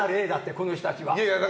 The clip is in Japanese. この人たちは。